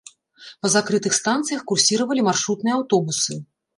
Па закрытых станцыях курсіравалі маршрутныя аўтобусы.